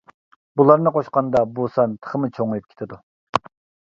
بۇلارنى قوشقاندا بۇ سان تېخىمۇ چوڭىيىپ كېتىدۇ.